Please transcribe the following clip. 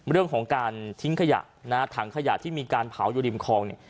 เรื่องของการทิ้งขยะนะฮะถังขยะที่มีการเผาอยู่ริมคลองเนี่ย